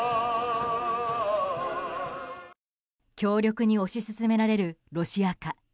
強力に推し進められるロシア化。